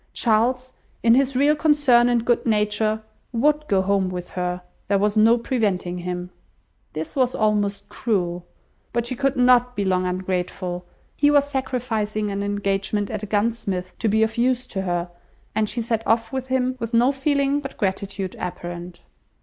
Charles, in his real concern and good nature, would go home with her; there was no preventing him. This was almost cruel. But she could not be long ungrateful; he was sacrificing an engagement at a gunsmith's, to be of use to her; and she set off with him, with no feeling but gratitude apparent.